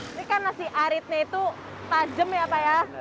ini kan nasi aritnya itu tajam ya pak ya